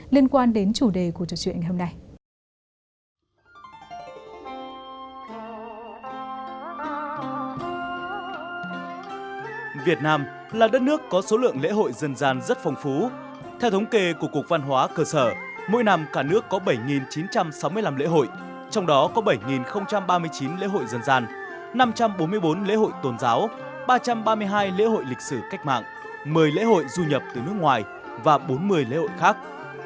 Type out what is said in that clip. năm trăm bốn mươi bốn lễ hội tôn giáo ba trăm ba mươi hai lễ hội lịch sử cách mạng một mươi lễ hội du nhập từ nước ngoài và bốn mươi lễ hội khác